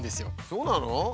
そうなの？